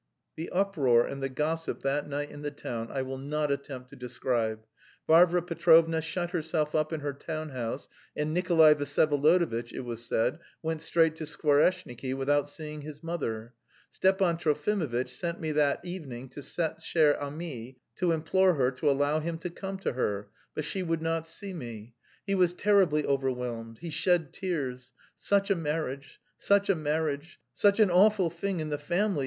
The uproar and the gossip that night in the town I will not attempt to describe. Varvara Petrovna shut herself up in her town house and Nikolay Vsyevolodovitch, it was said, went straight to Skvoreshniki without seeing his mother. Stepan Trofimovitch sent me that evening to cette chère amie to implore her to allow him to come to her, but she would not see me. He was terribly overwhelmed; he shed tears. "Such a marriage! Such a marriage! Such an awful thing in the family!"